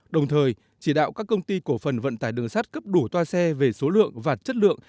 đồng thời chỉ đạo các công ty cổ phần vận tải đường sắt cấp đủ toa xe về số lượng và chất lượng